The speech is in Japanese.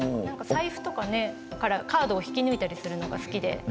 財布からカードを引き抜いたりするのが好きで。